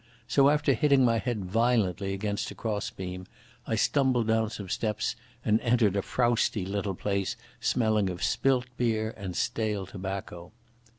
So, after hitting my head violently against a cross beam, I stumbled down some steps and entered a frowsty little place smelling of spilt beer and stale tobacco.